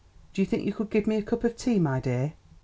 Do you think you could give me a cup of tea, my dear?"